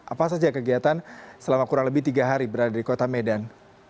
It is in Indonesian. apa saja kegiatan selama kurang lebih tiga hari berada di kota medan